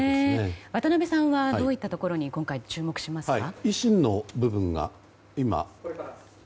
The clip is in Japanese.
渡辺さんはどういったところに今回、注目しますか。